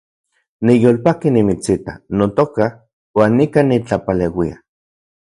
Niyolpaki nimitsita, notoka, uan nikan nitlapaleuia